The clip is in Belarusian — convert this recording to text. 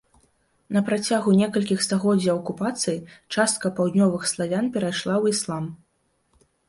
Напрацягу некалькіх стагоддзяў акупацыі, частка паўднёвых славян перайшла ў іслам.